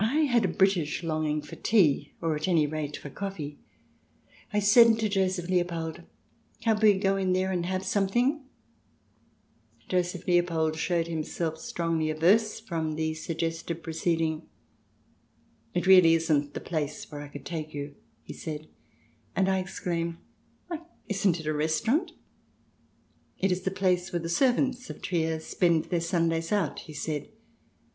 I had a British longing for tea, or at any rate for coffee. I said to Joseph Leopold :" Can't we go in there and have something ?" Joseph Leopold showed himself strongly averse from the suggested proceeding. "^It really isn't the place where I could take you," he said, and I exclaimed :" Why, isn't it a restaurant ?" CH. v] PAX GERMANIC A 59 " It is the place where the servants of Trier spend their Sundays out," he said.